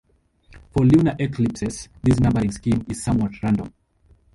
For lunar eclipses, this numbering scheme is somewhat random.